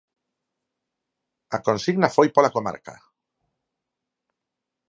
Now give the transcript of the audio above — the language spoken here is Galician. A consigna foi pola comarca.